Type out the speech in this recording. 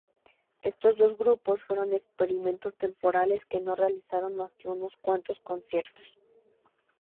Estos dos grupos fueron experimentos temporales que no realizaron más que unos cuantos conciertos.